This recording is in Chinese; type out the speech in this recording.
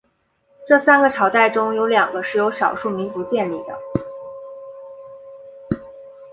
这三个朝代中有两个是由少数民族建立的。